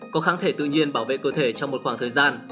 có kháng thể tự nhiên bảo vệ cơ thể trong một khoảng thời gian